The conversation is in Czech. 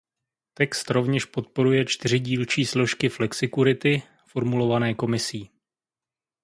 Text rovněž podporuje čtyři dílčí složky flexikurity formulované Komisí.